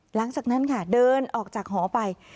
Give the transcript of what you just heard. หลังจากนั้นค่ะเดินออกจากหอไป